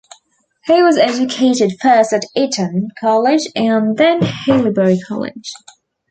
He was educated first at Eton College and then Haileybury College.